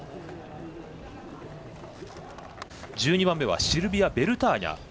１２番目はシルビア・ベルターニャ。